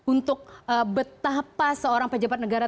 untuk betapa seorang pejabat negara